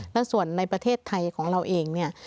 แล้วส่วนในประเทศไทยของเราเองเนี่ย